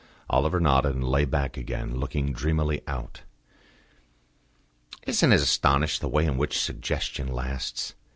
Oliver nodded, and lay back again, looking dreamily out. "Isn't it astonishing the way in which suggestion lasts?